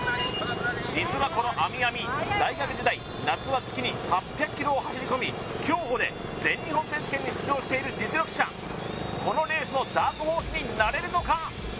実はこの阿弥阿弥大学時代夏は月に８００ｋｍを走り込み競歩で全日本選手権に出場している実力者このレースのダークホースになれるのか？